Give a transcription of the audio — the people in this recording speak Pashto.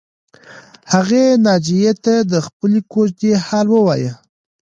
هغې ناجیې ته د خپلې کوژدې حال ووایه